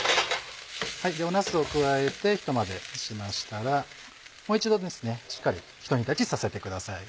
なすを加えてひと混ぜしましたらもう一度しっかりひと煮立ちさせてください。